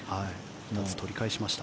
２つ取り返しました。